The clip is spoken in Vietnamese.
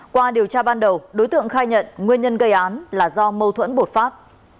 qua điều tra ban đầu đối tượng khai nhận nguyên nhân gây án là do mâu thuẫn bột phát